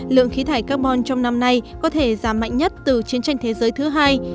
lượng khí thải carbon trong năm nay có thể giảm mạnh nhất từ chiến tranh thế giới thứ hai